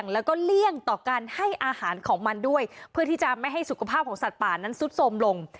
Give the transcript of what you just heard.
แล้วก็เลี่ยงต่อการให้อาหารของมันด้วยเพื่อที่จะไม่ให้สุขภาพของสัตว์ป่านั้นซุดสมลง